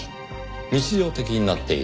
日常的になっている？